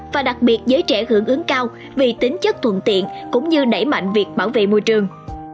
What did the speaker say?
và đặc biệt giới trẻ hưởng ứng cao vì tính chất thuận tiện cũng như đẩy mạnh việc bảo vệ môi trường